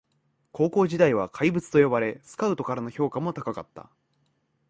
高校時代は怪物と呼ばれスカウトからの評価も高かった